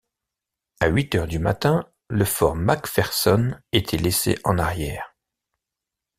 À huit heures du matin, le fort Mac-Pherson était laissé en arrière.